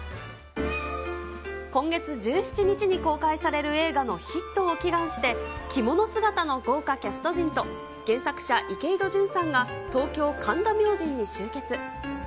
今月１７日に公開される映画のヒットを祈願して、着物姿の豪華キャスト陣と、原作者、池井戸潤さんが、東京・神田明神に集結。